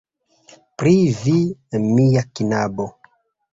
Pri vi, mia knabo.